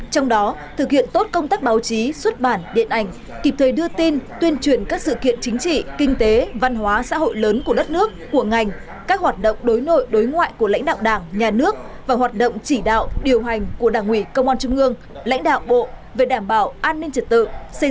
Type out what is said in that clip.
trong đó thực hiện tốt công tác báo chí xuất bản điện ảnh kịp thời đưa tin tuyên truyền các sự kiện chính trị kinh tế văn hóa xã hội lớn của đất nước của ngành các hoạt động đối nội đối ngoại của lãnh đạo đảng nhà nước và hoạt động chỉ đạo điều hành của đảng ủy công an trung ương lãnh đạo bộ về đảm bảo an ninh trật tự